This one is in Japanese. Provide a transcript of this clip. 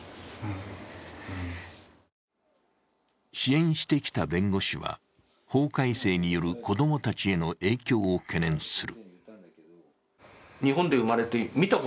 支援してきた弁護士は、法改正による子供たちへの影響を懸念する。